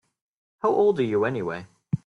How old are you anyway?